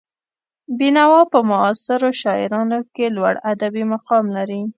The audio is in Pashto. بېنوا په معاصرو شاعرانو کې لوړ ادبي مقام لري.